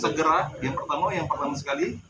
segera yang pertama sekali